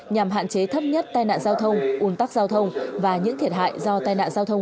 nhằm hạn chế thấp nhất tai nạn giao thông un tắc giao thông và những thiệt hại do tai nạn giao thông